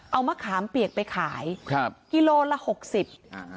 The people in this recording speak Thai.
เอามะขามเปียกไปขายครับกิโลละหกสิบอ่า